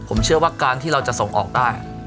ผมเชื่อว่าการที่เราจะส่งออกได้